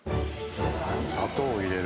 砂糖を入れる。